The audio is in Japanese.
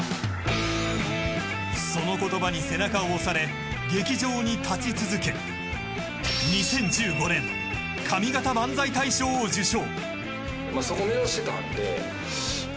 その言葉に背中を押され劇場に立ち続け２０１５年上方漫才大賞を受賞。